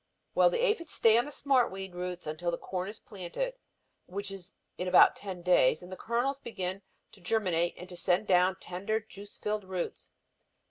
"Well, the aphids stay on the smart weed roots until the corn is planted, which is in about ten days, and the kernels begin to germinate and to send down the tender juice filled roots.